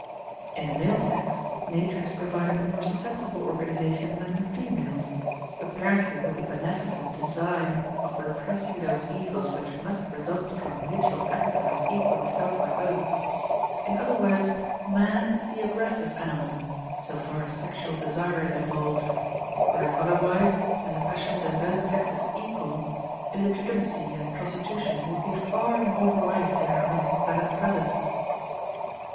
In the male sex nature has provided a more susceptible organization than in females, apparently with the beneficent design of repressing those evils which must result from mutual appetite equally felt by both. In other words, man is the aggressive animal, so far as sexual desire is involved. Were it otherwise, and the passions in both sexes equal, illegitimacy and prostitution would be far more rife in our midst than at present.